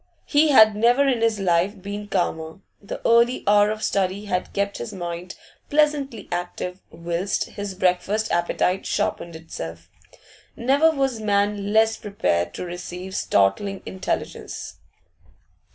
He had never in his life been calmer; the early hour of study had kept his mind pleasantly active whilst his breakfast appetite sharpened itself. Never was man less prepared to receive startling intelligence.